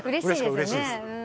うれしいです。